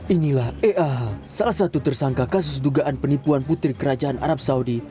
inilah eah salah satu tersangka kasus dugaan penipuan putri kerajaan arab saudi